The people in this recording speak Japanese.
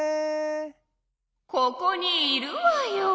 ここにいるわよ！